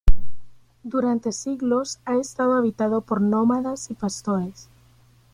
Durante siglos ha estado habitado por nómadas y pastores.